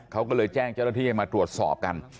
เขาก็เลยแจ้งเจ้าหน้าที่ให้มาตรวจสอบกัน